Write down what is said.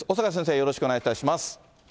よろしくお願いします。